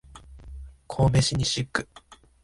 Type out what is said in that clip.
神戸市西区